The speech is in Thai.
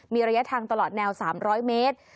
มีระยะทางตลอดแนว๓๐๐เมตร